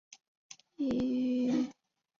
文正是日本年号之一。